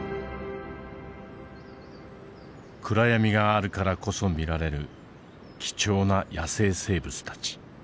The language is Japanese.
暗闇があるからこそ見られる貴重な野生生物たち。